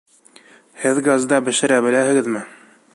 Һеҙ газда бешерә беләһегеҙме?